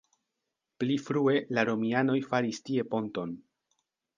Pli frue la romianoj faris tie ponton.